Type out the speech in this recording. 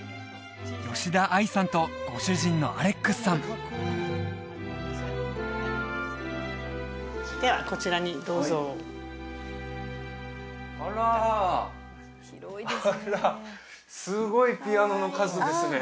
吉田愛さんとご主人のアレックスさんではこちらにどうぞあらあらすごいピアノの数ですね